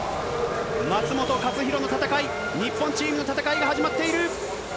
松元克央の戦い、日本チームの戦いが始まっている。